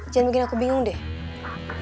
jangan bikin aku bingung deh